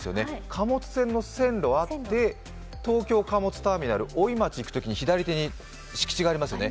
貨物船の線路があって東京貨物ターミナル、大井町行くときに、左手に敷地がありますよね。